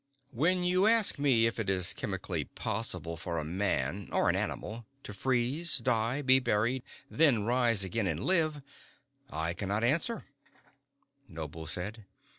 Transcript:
"When you ask me if it is chemically possible for a man or an animal to freeze, die, be buried, then rise again and live, I cannot answer," Noble said.